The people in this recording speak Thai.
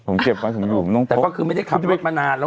ผมเก็บไว้ผมต้องพกแต่ก็คือไม่ได้ขับรถมานานแล้วอ่ะ